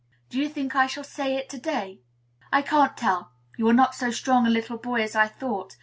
"Do you think I shall say it to day?" "I can't tell. You are not so strong a little boy as I thought.